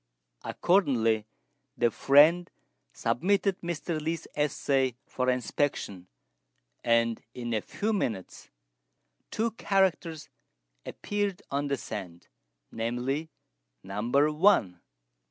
Accordingly, the friend submitted Mr. Li's essay for inspection; and in a few minutes two characters appeared on the sand namely, "Number one."